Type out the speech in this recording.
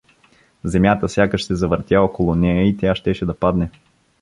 Земята сякаш се завъртя около нея и тя щеше да падне.